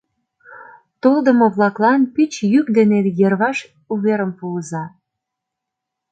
Толдымо-влаклан пуч йӱк дене йырваш уверым пуыза.